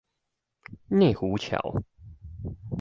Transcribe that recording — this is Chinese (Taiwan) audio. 內湖橋